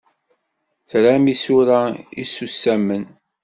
Tram isura isusamen?